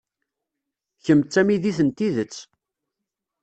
Kemm d tamidit n tidet.